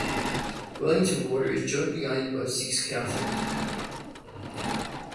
Wellington Water is jointly owned by all six councils.